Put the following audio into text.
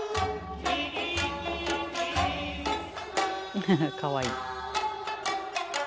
フフフかわいい。